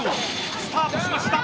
スタートしました。